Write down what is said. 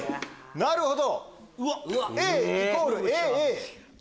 なるほど。